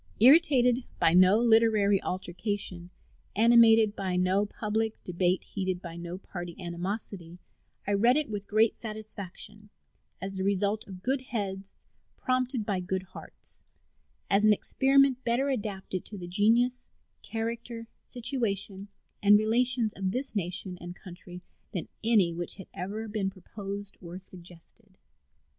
Irritated by no literary altercation, animated by no public debate, heated by no party animosity, I read it with great satisfaction, as the result of good heads prompted by good hearts, as an experiment better adapted to the genius, character, situation, and relations of this nation and country than any which had ever been proposed or suggested.